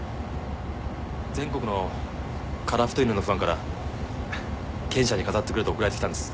全国の樺太犬のファンから犬舎に飾ってくれと送られてきたんです